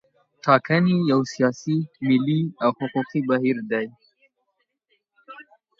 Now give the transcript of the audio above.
ټاکنې یو سیاسي، ملي او حقوقي بهیر دی.